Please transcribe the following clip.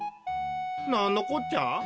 なんのこっちゃ？